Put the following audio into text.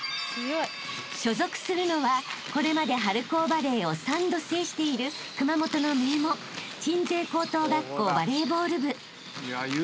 ［所属するのはこれまで春高バレーを３度制している熊本の名門鎮西高等学校バレーボール部］